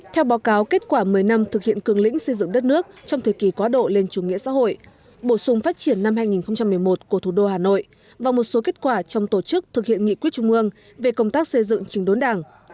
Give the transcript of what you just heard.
theo báo cáo kết quả một mươi năm thực hiện cường lĩnh xây dựng đất nước trong thời kỳ quá độ lên chủ nghĩa xã hội bổ sung phát triển năm hai nghìn một mươi một của thủ đô hà nội và một số kết quả trong tổ chức thực hiện nghị quyết trung ương về công tác xây dựng trình đốn đảng